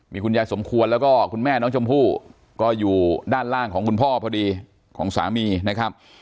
มีคุณยายสมควรแล้วก็คุณแม่น้องชมพู่ก็อยู่ด้านล่างของคุณพ่อพอดีของสามีนะครับ